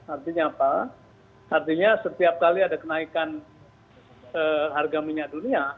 artinya apa artinya setiap kali ada kenaikan harga minyak dunia